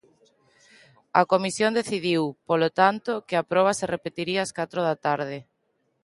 A Comisión decidiu, polo tanto, que a proba se repetiría ás catro da tarde.